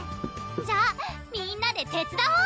じゃあみんなで手伝おう！